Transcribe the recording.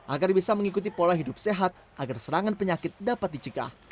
agar bisa mengikuti pola hidup sehat agar serangan penyakit dapat dicegah